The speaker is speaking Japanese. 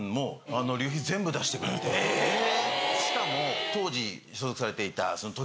しかも当時所属されていた。